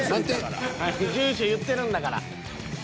住所言ってるんだから。